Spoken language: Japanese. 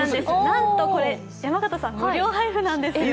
なんとこれ、山形さん、無料配布なんですよ。